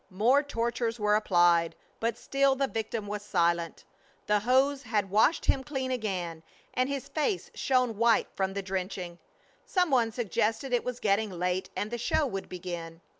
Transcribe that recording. More tortures were applied, but still the victim was silent. The hose had washed him clean again, and his face shone white from the drenching. Some one suggested it was getting late and the show would begin.